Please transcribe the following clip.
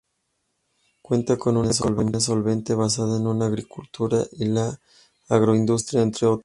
Cuenta con una economía solvente, basada en la agricultura y la agroindustria, entre otras.